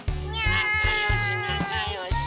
なかよしなかよし！